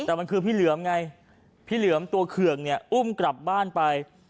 แต่มันคือพี่เหลือมไงพี่เหลือมตัวเคืองเนี่ยอุ้มกลับบ้านไป